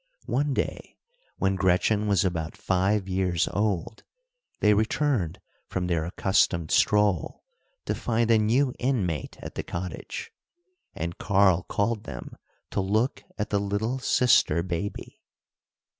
One day, when Gretchen was about five years old, they returned from their accustomed stroll to find a new inmate at the cottage, and Karl called them to look at the little sister baby.